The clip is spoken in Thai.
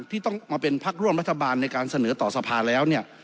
ที่ต้องมาเป็นพักร่วมรัฐบาลในการเสนอต่อสภาแล้วเนี่ย